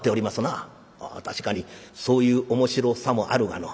「ああ確かにそういう面白さもあるがのう。